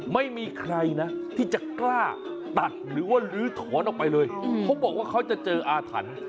ไม่มีใครนะที่จะกล้าตัดหรือว่าลื้อถอนออกไปเลยเขาบอกว่าเขาจะเจออาถรรพ์